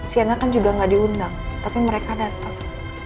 sienna kan juga gak diundang tapi mereka datang